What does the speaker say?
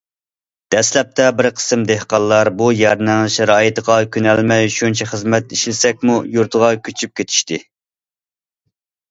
دەسلەپتە بىر قىسىم دېھقانلار بۇ يەرنىڭ شارائىتىغا كۆنەلمەي، شۇنچە خىزمەت ئىشلىسەكمۇ، يۇرتىغا كۆچۈپ كېتىشتى.